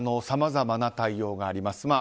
さまざまな対応があります。